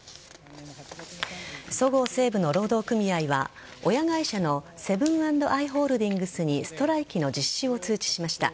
そごう・西武の労働組合は親会社のセブン＆アイ・ホールディングスにストライキの実施を通知しました。